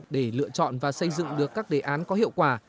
để lựa chọn và xây dựng được các đề án có hiệu quả